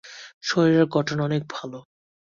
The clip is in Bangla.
শরীরের গঠন অনেক ভালো।